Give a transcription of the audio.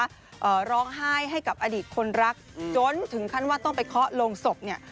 เอ่อร้องไห้ให้กับอดีตคนรักจนถึงขั้นว่าต้องไปเคาะลงศพเนี่ย